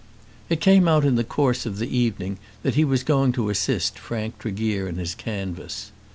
It came out in the course of the evening that he was going to assist Frank Tregear in his canvass.